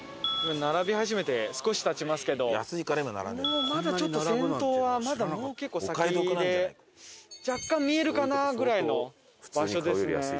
並び始めて少し経ちますけどまだちょっと先頭は結構先で若干見えるかなぐらいの場所ですね。